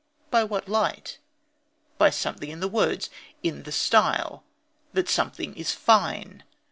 By what light? By something in the words, in the style. That something is fine.